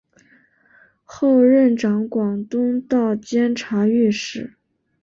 后任掌广东道监察御史。